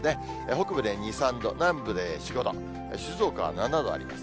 北部で２、３度、南部で４、５度、静岡は７度あります。